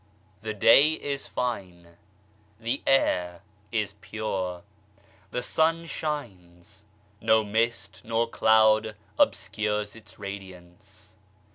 'T'HE day is fine, the air is pure, the sun shines, no * mist nor cloud obscures its radiance.